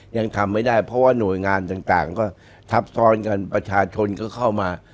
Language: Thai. ยังทำไม่ได้เพราะว่าหน่วยงานต่างก็ทับซ้อนกันประชาชนก็เข้ามา